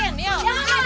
ya mama masuk